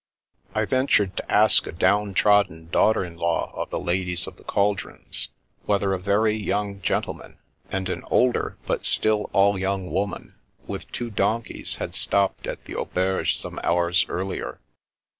I ventured to ask a down trodden daughter in law of the Ladies of the Cauldrons, whether a very young gentleman, and an older but still all young woman, with two donkeys, had stopped at the au berge some hours earlier.